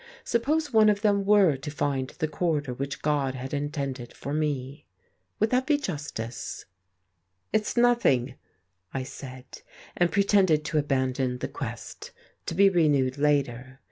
Suppose one of them were to find the quarter which God had intended for me? Would that be justice? "It's nothing," I said, and pretended to abandon the quest to be renewed later.